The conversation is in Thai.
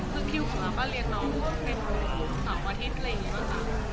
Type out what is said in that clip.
คือคิวของเราก็เลี้ยงน้องสองอาทิตย์อะไรอย่างงี้ปะคะ